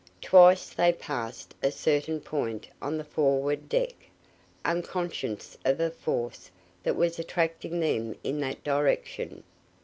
Twice they passed a certain point on the forward deck, unconscious of a force that was attracting them in that direction.